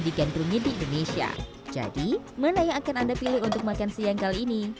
digandrungi di indonesia jadi mana yang akan anda pilih untuk makan siang kali ini